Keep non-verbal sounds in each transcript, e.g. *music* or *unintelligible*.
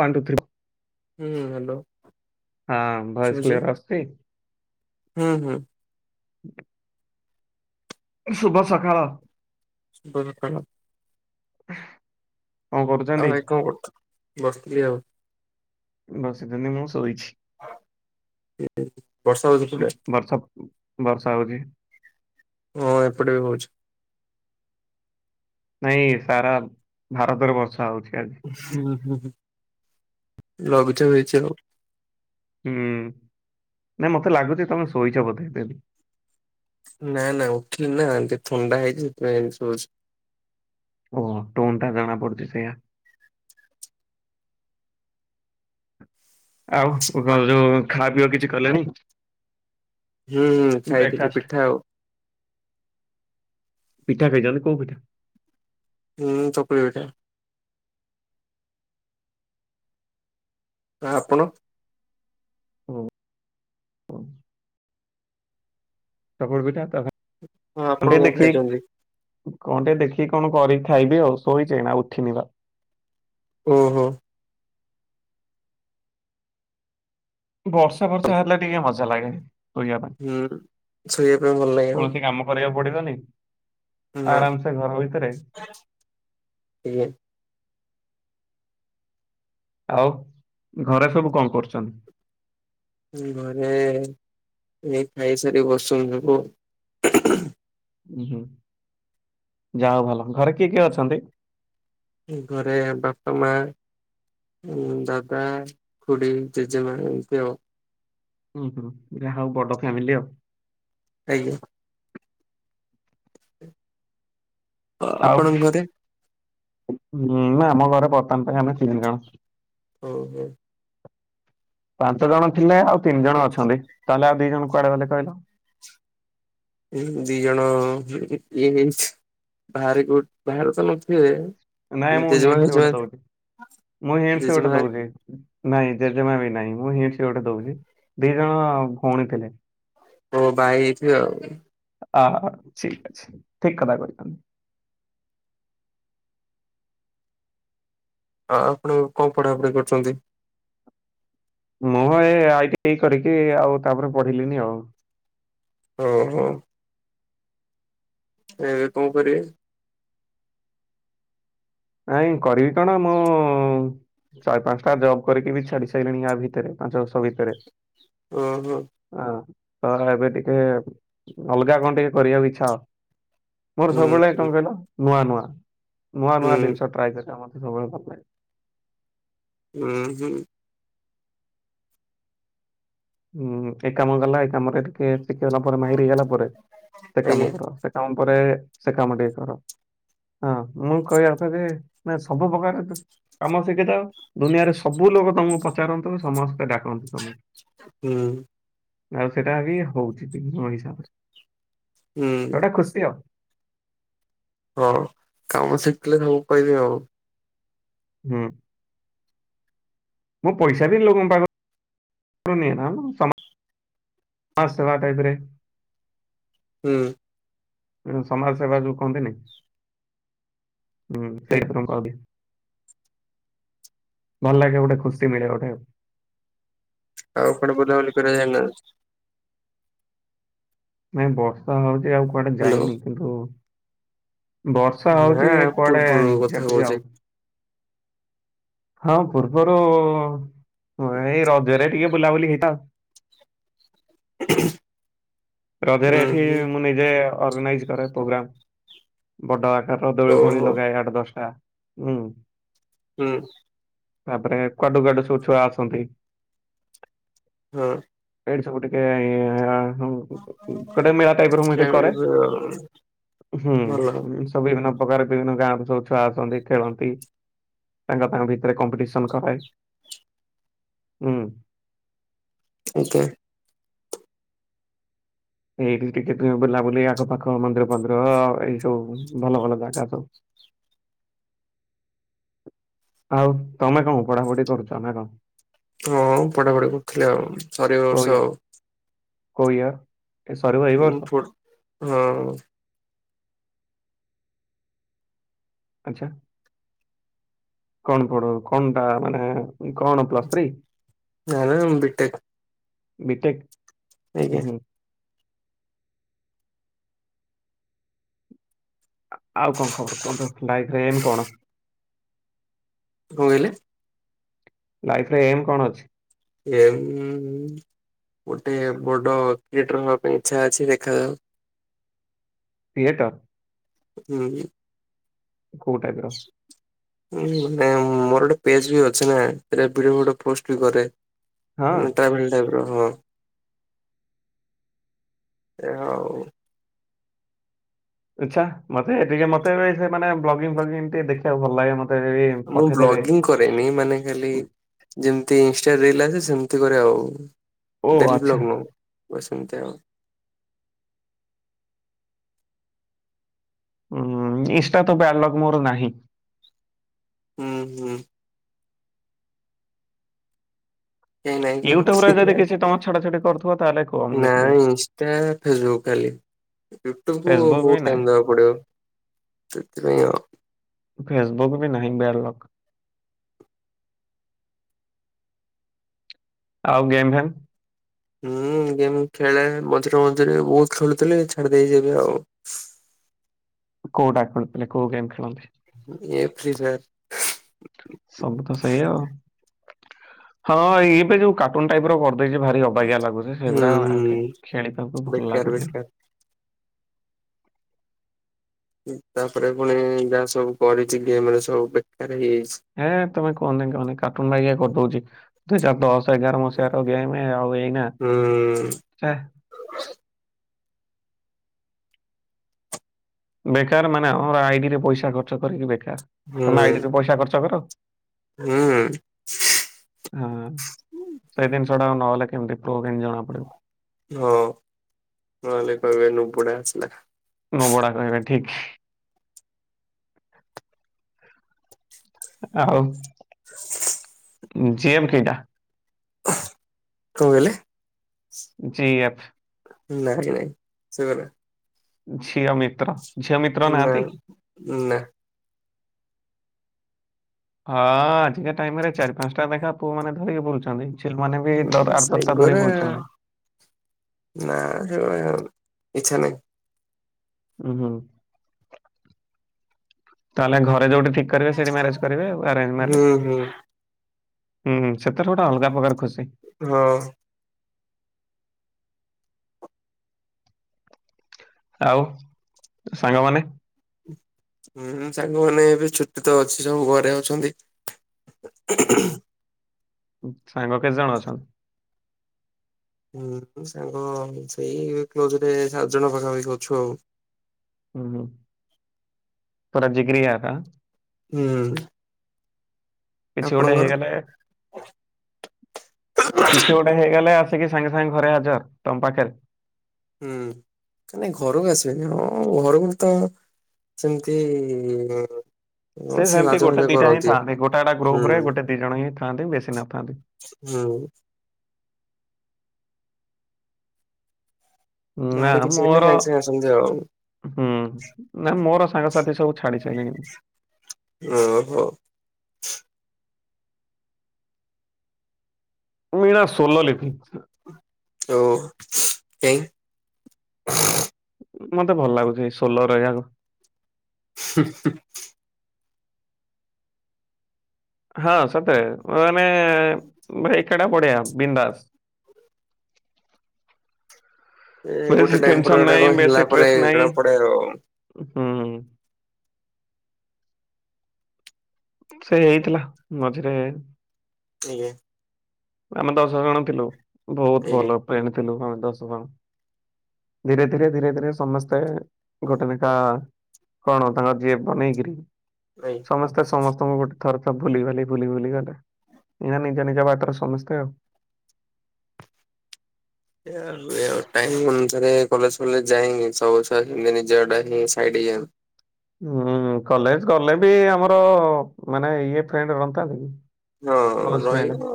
One, two, three. ହୁଁ hello. ହଁ voice clear ଆସୁଚି। ହୁଁ ହୁଁ। ସୁଭ ସକାଳ। *unintelligible* ଆଃ। ଆଉ ଭାଇ କଣ କରୁଛ? ବସିଥିଲି ଆଉ। ବସିଥିନି ମୁଁ ଶୋଇଛି। ବର୍ଷା ହଉଛି ସେପଟେ ଉଁ ବର୍ଷା ବର୍ଷା ହଉଛି। ହଁ ଏପଟେ ବି ହଉଛି। ନାଇଁ ସାରା ଭାରତରେ ବର୍ଷା ହଉଛି ଆଜି। ହୁଁ ହୁଁ ହୁଁ ଲଘୁଚାପ ହେଇଛି *unintelligible* ହୁଁ ନାଇଁ ମତେ ଲାଗୁଛି ତମେ ଶୋଇଛ ବୋଧେ *unintelligible* ନା ନା ଉଠିଲି ନା ଟିକେ ଥଣ୍ଡା ହେଇଛି ସେଥିପାଇଁ ଏମିତି ଶୁଭୁଚି। ଓହୋ ଟୋନ୍ ଟା ଜଣା ପଡୁଛି ସେଇୟା। ଆଉ ଓ କଣ ଯୋଉ ଖାଅ ପିଅ କିଛି କଲେଣି? ହୁଁ ହୁଁ ଖାଇଥିଲି ବ୍ରେକଫାଷ୍ଟ ପିଠା ଆଉ। ପିଠା ଖାଇଛନ୍ତି। କଉ ପିଠା? ହୁଁ ଚକୁଳି ପିଠା। ଆ ଆପଣ। ଉଁ ଉଁ। ଚକୁଳି ପିଠା ତା ହଁ ଆପଣ *unintelligible* କଣ ଦେଖି। ଖାଇଛନ୍ତି କଣ ଟେ ଦେଖିକି କଣ କରିକି ଖାଇବି ଆଉ ଶୋଇଚି ଏଇନା ଉଠିନି ବା। ଓ ହୋ। ବର୍ଷା ଫର୍ଷା ହେଲେ ଟିକେ ମଜା ଲାଗେ। ଶୋଇବା ପାଇଁ। ହୁଁ ଶୋଇବା ପାଇଁ ଭଲ ଲାଗିବ। କୌଣସି କାମ କରିବାକୁ ପଡିବନି ଆରାମ ସେ ଘର ଭିତରେ। ଇଏ। ଆଉ ଘରେ ସବୁ କଣ କରୁଛନ୍ତି? ଉଁ ଘରେ ଏ ଖାଇସାରି ବସିଛନ୍ତି ସବୁ। ଉଁ ହୁଁ ଯାହା ହଉ ଭଲ। ଘରେ କିଏ କିଏ ଅଛନ୍ତି? ଘରେ ବାପା, ମା। ଉଁ ଦାଦା, ଖୁଡି, ଜେଜେମା ଏମିତି ଆଉ। ହୁଁ ହୁଁ ଯାହା ହଉ ବଡ ଫ୍ୟାମିଲି ଆଉ। ଆଜ୍ଞା। ଆ ଆଉ ଆପଣଙ୍କ ଘରେ? ଉଁ ନା ଆମ ଘରେ ବର୍ତ୍ତମାନ ପାଇଁ ଆମେ ତିନି ଜଣ। ଓହୋ। ପାଞ୍ଚ ଜଣ ଥିଲେ ଆଉ ତିନି ଜଣ ଅଛନ୍ତି ତାହେଲେ ଆଉ ଦି ଜଣ କୁଆଡେ ଗଲେ କହିଲ? ଉଁ ଦିଜଣ ହୁଁ ୟେ ହେଇଛି ବାହାର କୋ ବାହାରେ ତ ନଥିବେ। ନାଇଁ ମୁଁ ଜେଜେମା ହିଂଟ୍ସ ଫେଜେମା ଗୋଟେ ଦଉଛି ମୁଁ ହିଂଟ୍ସ ଗୋଟେ ଜେଜେମା ଦୋଉଛି। ନାଇଁ ଜେଜେମା ବି ନାଇଁ ମୁଁ ହିଂଟ୍ସ ଗୋଟେ ଦଉଛି ଦି ଜଣ ଭଉଣୀ ଥିଲେ। ଓ ବାହା ହେଇଯାଇଥିବେ ଆଉ। ଆ ଠିକ ଅଛି ଠିକ୍ କଥା କହିଛନ୍ତି। ଆ ଆପଣ କଣ ପଢାପଢି କରୁଛନ୍ତି? ମୁଁ ଏ ଆଇ ଟି ଆଇ କରିକି ଆଉ ତାପରେ ପଢିଲିନି ଆଉ। ଓହୋ। ଏବେ କଣ କରିବେ? ନାଇଁ କରିବି କଣ ମୁଁ ଚାରି ପାଞ୍ଚଟା ଜବ୍ କରିକି ବି ଛାଡି ସାରିଲିଣି ୟା ଭିତରେ ପାଞ୍ଚ ବର୍ଷ ଭିତରେ। ଓହ। ହଁ ତ ଏବେ ଟିକେ ଅଲଗା କଣ ଟିକେ କରିବାକୁ ଇଚ୍ଛା। ମୋର ହୁଁ ସବୁବେଳେ ହୁଁ କଣ କହିଲ ନୂଆ ନୂଆ ନୂଆ ହୁଁ ନୂଆ ଜିନଷ। ଟ୍ରାଏ କରିବାକୁ ମତେ ସବୁବେଳେ ଭଲଲାଗେ। ଉହୁଁ। ହୁଁ ଏ କାମ ଗଲା ଏ କାମରେ ଟିକେ ଶିଖିଗଲା ପରେ ମାହିର ହେଇଗଲା ପରେ ସେ ଆଜ୍ଞା କାମ କର। ସେ କାମ ପରେ ସେ କାମ ଟିକେ କର। ହଁ ମୁଁ କହିବା କଥାଯେ ନା ସବୁ ପ୍ରକାର କାମ ଶିଖିଥାଅ ଦୁନିଆରେ ସବୁ ଲୋକ ତମକୁ ପଚାରନ୍ତୁ ସମସ୍ତେ ଡାକନ୍ତୁ ତମକୁ। ହୁଁ। ଆଉ ସେଟା ବି ହଉଛି ଠିକ ମୋ ହୁଁ ହିସାବରେ ଏଟା ଖୁସି ଆଉ। ହଁ କାମ ଶିଖିଥିଲେ ସବୁ କହିବେ ଆଉ। ହୁଁ। ମୁଁ ପଇସା ବି ଲୋକଙ୍କ ପାଖରୁ ନିଏନା *inaudible* ସମାଜ ସେବା ଟାଇପରେ। ହୁଁ। ସମାଜ ସେବା ଯୋଉ କହନ୍ତିନି ହୁଁ *unintelligible* କରିଦିଏ। ଭଲ ଲାଗେ ଗୋଟେ ଖୁସି ମିଳେ ଗୋଟେ ଆଉ। ଆଉ କୁଆଡେ ବୁଲାବୁଲି କରିବାକୁ ଯାଇନାହାଁନ୍ତି? ନାଇଁ ବର୍ଷା ହଉଛି ଆଉ କୁଆଡେ ହ୍ୟାଲୋ ଯାଇନି। କିନ୍ତୁ ବର୍ଷା ନା ହୋଉଛି କୁଆଡେ ପୂର୍ବରୁ କଥା ଯବି କହୁଛି। ଆଉ। ହଁ ପୂର୍ବରୁ ଏଇ ରଜରେ ଟିକେ ବୁଲାବୁଲି ହେଇତ *unintelligible* ରଜରେ ହୁଁ ଏଠି ହୁଁ ମୁଁ ନିଜେ ଅର୍ଗାନାଇଜ କରେ ପ୍ରୋଗ୍ରାମ। ବଡ ଆକାରର ଦୋଳି ଫୋଳି ଓହୋ ଲଗାଏ ଆଠ ଦଶଟା ହୁଁ। ହୁଁ। ତାପରେ କୁଆଡୁ କୁଆଡୁ ସବୁ ଛୁଆ ଆସନ୍ତି। ହଁ। ଏଇଠି ସବୁ ଟିକେ ଗୋଟେ ମେଳା ଟାଇପର ମୁ ଏଠି ଖେଳାଳି କରେ ହୁଁ। ଭଲ ସବୁ ବିଭିନ୍ନ ପ୍ରକାର ବିଭିନ୍ନ ଗାଁ ର ସବୁ ଛୁଆ ଆସନ୍ତି ଖେଳନ୍ତି। ତାଙ୍କ ତାଙ୍କ ଭିତରେ କମ୍ପିଟିସନ କରାଏ ହୁ। *unintelligible* ଏଇଠି ଟିକେ ତୁମେ ବୁଲାବୁଲି ଆଖପାଖ ମନ୍ଦିର ପନ୍ଦିର ଏଇ ସବୁ ଭଲ ଭଲ ଜାଗା ସବୁ। ଆଉ ତମେ କଣ ପଢାପଢି କରୁଛ ନା କଣ? ହଁ ପଢାପଢି କରୁଥିଲେି ଆଉ ସରିବ କୋଉ ବର୍ଷ ଇୟର୍ ଆଉ। କୋଉ ଇୟର? *unintelligible* ଆଚ୍ଛା। କଣ ପଢ କଣଟା ମାନେ କଣ ପ୍ଲସ ଥ୍ରୀ? ନା ନା ବିଟେକ୍ *inaudible* ଆଜ୍ଞା ବିଟେକ ହୁ। ଆଉ କଣ ଖବର କୁହନ୍ତୁ ଲାଇଫରେ ଏମ କଣ? କଣ କହିଲେ? ଲାଇଫରେ ଏମ୍ କଣ ଅଛି? ଏ ଗୋଟେ ବଡ କ୍ରିଏଟର୍ ହବା ପାଇଁ ଇଚ୍ଛା ଅଛି ଦେଖାଯାଉ। କ୍ରିଏଟର? ହୁଁ। କୋଉ ଟାଇପର। ମୋର ଗୋଟେ ପେଜ ବି ଅଛି ନା ସେଟ ଭଡିଓଡି ପୋଷ୍ଟ ବି କରେ। ହଁ *unintelligible* ଓହୋ *inaudible* ହଉ। ଆଚ୍ଛା ମତେ ଟିକେ ମତେ ବ୍ଲଗ୍ ଫ୍ଲଗୀଙ୍ଗଟେ ଦେଖିବାକୁ ଭଲ ଲାଗେ ମତେ ବ ମୁଁ ବ୍ଲଗିଙ୍ଗ କରେନି ମାନେ ଖାଲି ଯେମତି ଇନଷ୍ଟ ରିଲ ଆସେ ସେମିତି କରେ ଆଉ। ଓ ଡେଲି ଆଚ୍ଛା ବ୍ଲଗ ନୁହଁ ବାସ ସେମିତି ଆଉ। ଉଁ ଇଷ୍ଟା ତ ବେଡ୍ ଲଗ୍ ମୋର ନାହିଁ। ହୁଁ ହୁଁ। ଏ ନାଇଁ ୟୁଟ୍ୟୁବରେ ଯଦି କିଛି ତମ ଛଡ଼ାଛଡ଼ି କରୁଥିବ ତାହେଲେ କୁହ ମୁଁ ଦେଖିଦେବି ନାଇ ଇଷ୍ଟା ଫେସବୁକ ଖାଲି। ୟୁଟ୍ୟୁବ ଫେସବୁକ୍ ବି ବହୁତ୍ ଟାଇମ୍ ନାହିଁ ଦେବାକୁ ପଡିବ ସେଥି ପାଇ ଆଉ। ଫେସବୁକ୍ ବି ନାହିଁ ବେଡ୍ ଲକ। ଆଉ ଗେମ୍ ଫେମ୍? ହୁଁ ଗେମ୍ ଖେଳେ ମଝିରେ ମଝିରେ ବହୁତ ଖେଳୁଥିଲି ଛାଡି ଦେଇଛି ଏବେ ଆଉ। କଉଟା ଖେଳୁ ଥିଲେ କଉ ଗେମ ଖେଳନ୍ତି? ଏ ଫ୍ରିଫାୟାର। ସବୁ ତ ସେଇଆ ଆଉ। ହଁ ଏ ଏବେ ଯୋଉ କାର୍ଟୁନ ଟାଇପର କରିଦେଇଛି ଭା ଅବାଗିଆ ଲାଗୁଛି ହୁଁ ସେଇଗୁରା ଆଉ ହୁଁ ଖେଳିବାକୁ ଭଲ ବେକାର ଲାଗୁନି। ବେକାର ତାପରେ ପୁଣି ଯାହା ସବୁ କରିଛି ଗେମରେ ସବୁ ବେକାର ହେଇଯାଇଛି। ହଁ ତମେ କହନି କହେ କାର୍ଟୁନ ବାଗିଆ କରିଦଉଛି। ଦୁଇ ଚାର ଦଶ ଏଗାର ମସିହାରେ ଗେମ ଆଉ ଏଇନା ହଁ *unintelligible* ବେକାର ମାନେ ଆମର ଆଇଡିରେ ପଇସା ଖର୍ଚ୍ଚ କରିକି ବେକାର ହୁଁ ତମେ ଆଇଡିରେ ପଇସା ଖର୍ଚ୍ଚ କର। ହୁଁ। ହଁ ସେଇ ଜିନିଷଟା ନହେଲେ କେମିତି ପ୍ରୁ କେମିତି ଜଣା ପଡିବ? ହଁ ନହେଲେ କହିବେ ନୁପୁଡା ଆସିଲା। ନୁବୁଡା କହିବେ ଠିକ। ଆଉ ଜିଏଫ୍ କେଇଟା? କଁ କହିଲେ? ଜି ଏଫ୍ ନାଇଁ ନାଇଁ ସେଗୁରା। ଝିଅ ମିତ୍ର। ଝିଅ ମିତ୍ର ନାହାନ୍ତି? ନାଇଁ ନାଁ। ହଁ ଆଜିକା ଟାଇମ ରେ ଚାରି ପାଞ୍ଚ ଟା ଲେଖାଏଁ ପୁଅ ମାନେ ଧରିକି ବୁଲୁଚନ୍ତି। ଛିଲ୍ ମାନେ ବି ଦ ଆଠ ଦଶଟା ଧରିକି ସେଗୁରା ବୁଲଛନ୍ତି। ନା ସେଗୁରା ସବୁ ଇଚ୍ଛା ନାଇଁ। ଉୁଁ ହୁଁ ତାହେଲେ ଘରେ ଯୋଉଠି ଠିକ୍ କରିବେ ସେଇଠି ମ୍ୟାରେଜ କରିବେ ଆଉ ଆରେଞ୍ଜ ହୁଁ ମ୍ୟାରେଜ୍। ହୁଁ ହୁଁ ହୁଁ ସେଥିରେ ଗୋଟେ ଅଲଗା ପ୍ରକାର ଖୁସି। ହଁ। ଆଉ ସାଙ୍ଗମାନେ? ହୁଁ ସାଙ୍ଗମାନେ ଏବେ ଛୁଟି ତ ଅଛି ସବୁ ଘରେ ଅଛନ୍ତି। *unintelligible* ସାଙ୍ଗ କେଜଣ ଅଛନ୍ତି? ହୁଁ ସାଙ୍ଗ ସେଇ କ୍ଲୋଜରେ ସାତ ଜଣ ପାଖାପାଖି ଅଛୁ ଆଉ। ହୁଁ ପୁରା ଜିଗ୍ରି ୟାରା? ହୁଁ। କିଛି ଗୋଟେ ଆପଣଙ୍କର ହେଇଗଲେ କିଛି ଗୋଟେ ହେଇଗଲେ ଆସିକି ସାଙ୍ଗେ ସାଙ୍ଗେ ଘରେ ହାଜର୍ ତମ ପାଖରେ? ହୁଁ ନାଇ ଘରକୁ ଆସିବେନି ହଁ ଘରକୁ ତ ସେମିତି ଇଁ ସେ ସେମିତି ଗୋଟେ ଦିଟା ହିଁ ଥାନ୍ତି ଗୋଟା ଗୋଟା ଗ୍ରୁପ ରେ ହୁଁ ଗୋଟେ ଦି ଜଣ ହିଁ ଥାନ୍ତି ବେଶୀ ନଥାନ୍ତି। ହୁଁ। ନା କାହାର କିଛି ହେଲେ ମୋର ସାଙ୍ଗେ ସାଙ୍ଗେ ଆସନ୍ତି ଆଉ। ହୁଁ ନାଇ ମୋର ସାଙ୍ଗସାଥି ସବୁ ଛାଡି ସାଇଲିଣି। ଓ ହୋ। ମୁଁ ଏଇନା ସୋଲ ଲେଖି ଓ ଏଁ ମତେ ଭଲ ଲାଗୁଚି ସୋଲୋ ରହିବାକୁ। *unintelligible* ହଁ ସତେ ମାନେ ବଟ ଏକା ଟା ବଢିଆ ବିନ୍ଦାସ। ଏ ଗୋଟେ ବେସି ଟାଇମ ପରେ ଟେନ୍ସନ ଗୋଟେ ନାହିଁ କଣ ହେଲା ବେସ ପରେ ଷ୍ଟ୍ରେସ ନାହିଁ। ଜଣା ପଡେ ଆଉ ହୁଁ। ସେ ହେଇଥିଲା ମଝିରେ *unintelligible* ଆମେ ଦଶ ଜଣ ଥିଲୁ ବହୁତ ଆଜ୍ଞା ଭଲ ଫ୍ରେଣ୍ଡ ଥିଲୁ ହଁ ଦଶ ଜଣ। ଧୀରେ ଧୀରେ ଧୀରେ ସମସ୍ତେ ଗୋଟେ ଲେଖା କଣ ତାଙ୍କ ଜି ଏଫ୍ ବନେଇକିରି? ନାଇଁ। ସମସ୍ତେ ସମସ୍ତଙ୍କୁ ଗୋଟେ ଥରକେ ଭୁଲି ଗଲେ ଭୁଲି ଭୁଲି ଗଲେ ଗଲେ ଏଇନା ନିଜ ନିଜ ବାଟରେ ସମସ୍ତେ ଆଉ। ଟାଇମ୍ ଅନୁସାରେ କଲେଜ ଫଲେଜ ଯାଇଁନି ସବୁ ଛୁଆ ନିଜଆଡୁ ହିଁ ସାଇାଡ୍ ହେଇଯାନ୍ତି। ହୁଁ କଲେଜ ଗଲେ ବି ଆମର ମାନେ ଇଏ ଫ୍ରେଣ୍ଡ ନଥାନ୍ତା କି? ହଁ ରହିବ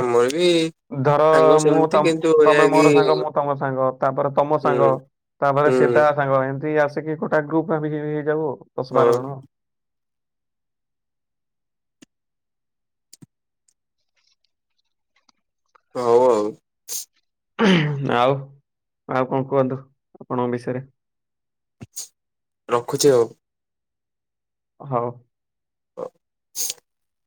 ଆମର ବି ଧର ସାଙ୍ଗ ମୁଁ ସେମିତି କିନ୍ତୁ ଏଇଆ ତମେ କି ମୋର ସାଙ୍ଗ ମୁଁ ତମ ସାଙ୍ଗ ତାପରେ ତମ ହୁଁ ସାଙ୍ଗ ତାପରେ ସେ ହୁଁ ତା ସାଙ୍ଗ ଏମିତି ଆସିକି ଗୋଟା ଗ୍ରୁପ ଆମେ ହେଇଯାଉୁ ଆଉ ଦଶ ହଁ ବାର ଜଣ ହଉ ଆଉ ଆଉ ଆଉ କଣ କୁହନ୍ତୁ ଆପଣଙ୍କ ବିଷୟରେ ରଖୁଛି ଆଉ ହଉ *unintelligible*